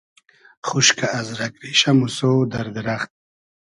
خوشکۂ از رئگ ریشۂ , موسۉ , دئر دیرئخت